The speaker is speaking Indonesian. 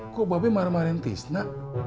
kok bapak marah marah yang stisna